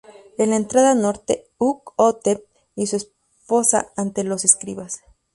En la entrada norte, Ukh-Hotep y su esposa ante los escribas.